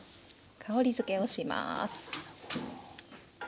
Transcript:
香りづけをします。